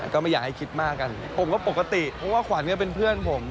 ก็ไม่อยากให้คิดมากกันผมก็ปกติเพราะว่าขวัญก็เป็นเพื่อนผม